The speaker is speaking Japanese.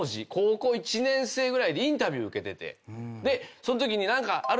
そのときに何か。